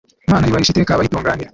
imana yubahisha iteka abayitunganira